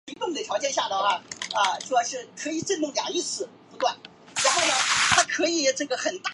平版印刷是基于油和水互斥的原理的手动工艺。